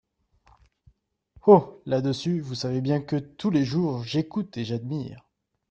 Oh ! là-dessus, vous savez bien que tous les jours j’écoute et j’admire…